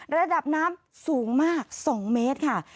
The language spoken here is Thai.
ระดับน้ำสูงมาก๒เมตรค่ะ